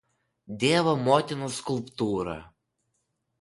Dievo Motinos skulptūrą.